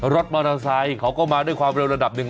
รถมอเตอร์ไซค์เขาก็มาด้วยความเร็วระดับหนึ่ง